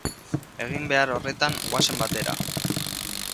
Egin behar horretan goazen batera.